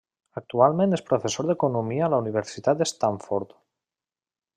Actualment és professor d'economia a la Universitat de Stanford.